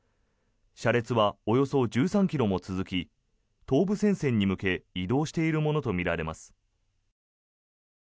車列はおよそ１３ｋｍも続き東部戦線に向け移動しているものとみられます。